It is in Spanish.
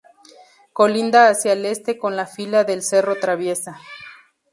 Colinda hacia el Este con la fila del cerro Traviesa.